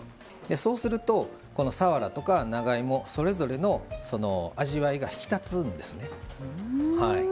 そうすると、さわらとか長芋長芋、それぞれの味わいが引き立つんですね。